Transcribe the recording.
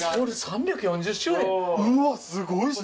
うわすごい老舗。